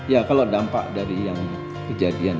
ya kalau dampak dari yang kejadian